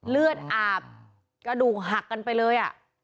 เลือดอาบกระดูกหักกันไปเลย